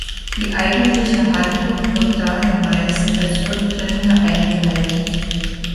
Die eigentliche Handlung wird daher meist als Rückblende eingeleitet.